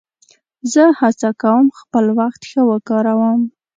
زه هڅه کوم خپل وخت ښه وکاروم.